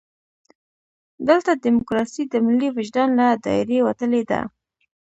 دلته ډیموکراسي د ملي وجدان له دایرې وتلې ده.